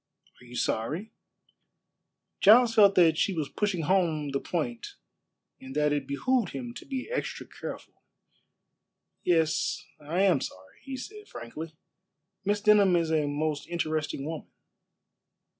"Are you sorry?" Giles felt that she was pushing home the point and that it behooved him to be extra careful. "Yes, I am sorry," he said frankly. "Miss Denham is a most interesting woman."